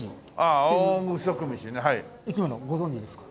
っていう生き物ご存じですか？